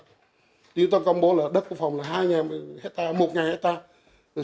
tuy nhiên tôi công bố là đất quốc phòng là hai hectare một hectare